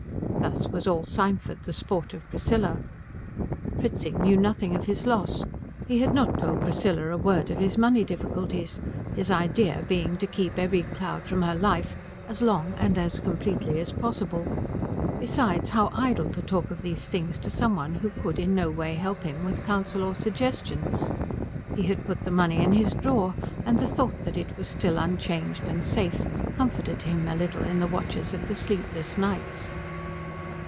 Thus was all Symford the sport of Priscilla. Fritzing knew nothing of his loss. He had not told Priscilla a word of his money difficulties, his idea being to keep every cloud from her life as long and as completely as possible. Besides, how idle to talk of these things to some one who could in no way help him with counsel or suggestions. He had put the money in his drawer, and the thought that it was still unchanged and safe comforted him a little in the watches of the sleepless nights.